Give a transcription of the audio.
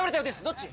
どっち？